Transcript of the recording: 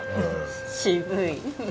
渋い。